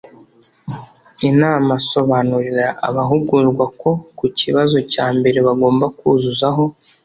I n a m a Sobanurira abahugurwa ko ku kibazo cya mbere bagomba kuzuzaho